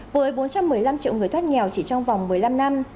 với bốn trăm một mươi năm triệu người thoát nghèo chỉ trong vòng một mươi năm năm